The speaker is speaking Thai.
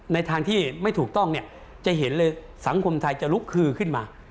ในทางที่ไม่ถูกต้องเนี่ยจะเห็นเลยสังคมไทยจะลุกคือขึ้นมา